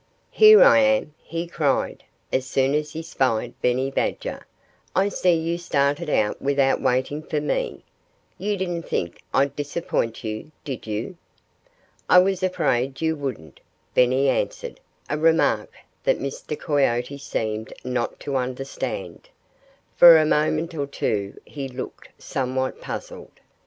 "Here I am!" he cried, as soon as he spied Benny Badger. "I see you started out without waiting for me. You didn't think I'd disappoint you, did you?" "I was afraid you wouldn't," Benny answered a remark that Mr. Coyote seemed not to understand. For a moment or two he looked somewhat puzzled.